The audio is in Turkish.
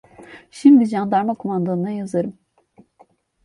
Şimdi candarma kumandanına yazarım.